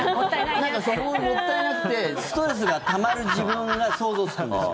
そこがもったいなくてストレスがたまる自分が想像つくんですよ。